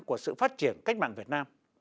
của sự phát triển cách mạng việt nam